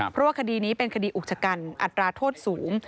เพราะว่าคดีนี้เป็นคดีอุกชะกันอัตราโทษสูง